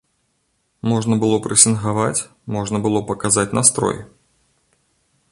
Можна было прэсінгаваць, можна было паказаць настрой!